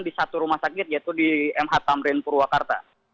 di satu rumah sakit yaitu di mh tamrin purwakarta